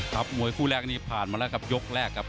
ครับมวยคู่แรกนี่ผ่านมาแล้วครับ